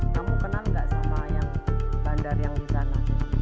kamu kenal gak sama yang bandar yang disana